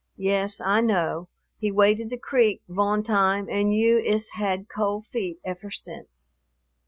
"Yes, I know, he waded the creek vone time und you has had cold feet effer since."